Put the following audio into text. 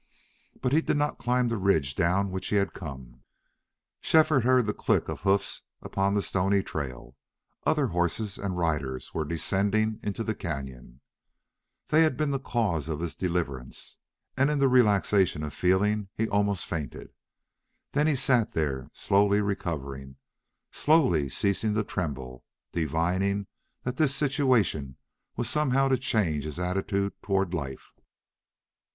But he did not climb the ridge down which he had come. Shefford heard the click of hoofs upon the stony trail. Other horses and riders were descending into the cañon. They had been the cause of his deliverance, and in the relaxation of feeling he almost fainted. Then he sat there, slowly recovering, slowly ceasing to tremble, divining that this situation was somehow to change his attitude toward life.